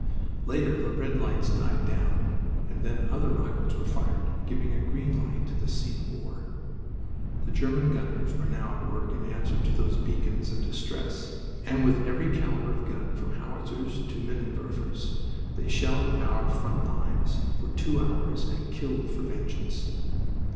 Later the red lights died down, and then other rockets were fired, giving a green light to this scene of war. The German gunners were now at work in answer to those beacons of distress, and with every caliber of gun from howitzers to minenwerfers they shelled our front lines for two hours and killed for vengeance.